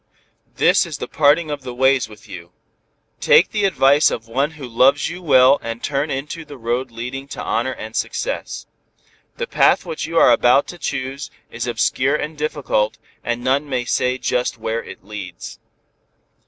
This is the parting of the ways with you. Take the advice of one who loves you well and turn into the road leading to honor and success. The path which you are about to choose is obscure and difficult, and none may say just where it leads."